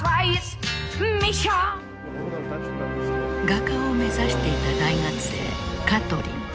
画家を目指していた大学生カトリン。